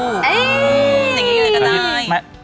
อย่างนี้เลยก็ได้